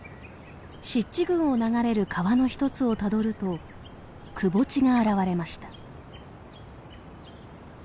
湿地群を流れる川の一つをたどるとくぼ地が現れました。